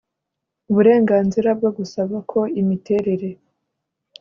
uburenganzira bwo gusaba ko imiterere